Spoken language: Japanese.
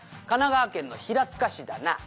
神奈川県の平塚市だな」